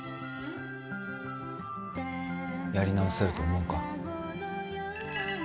やり直せると思うか？